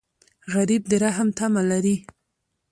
غریب د رحم تمه لري